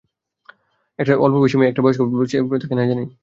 একটা অল্পবয়সী মেয়ে একটা বয়স্ক ছেলের প্রেমে পড়ে, তাকে না জেনেই।